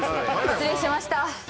失礼しました。